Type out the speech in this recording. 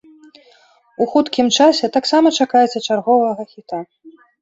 У хуткім часе таксама чакайце чарговага хіта.